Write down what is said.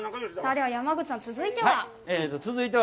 では、山口さん、続いては？